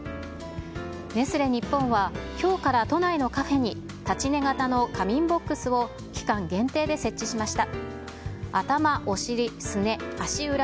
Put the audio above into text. ネスレ日本は、きょうから都内のカフェに立ち寝型の仮眠ボックスを期間限定で設こんにちは。